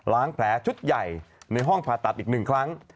แผลชุดใหญ่ในห้องผ่าตัดอีก๑ครั้ง